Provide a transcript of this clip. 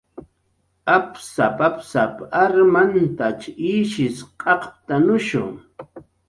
"Apsap"" apsap"" armantach ishw q'aqptanushu "